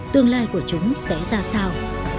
tương lai của chúng sẽ ra sao